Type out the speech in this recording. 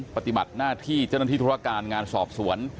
ปฏิบัติหน้าที่เจ้าหน้าที่ธุรการงานสอบสวน